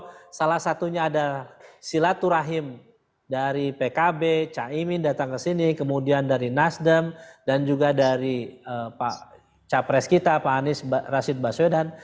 karena salah satunya ada silaturahim dari pkb caimin datang ke sini kemudian dari nasdem dan juga dari pak capres kita pak anies rashid baswedan